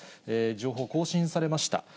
情報更新されました。